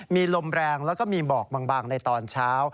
มีลมแรงแล้วก็มีหมอกบางในตอนเช้า